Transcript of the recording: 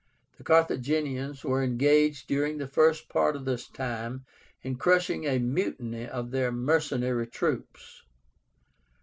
The Carthaginians were engaged during the first part of this time in crushing a mutiny of their mercenary troops.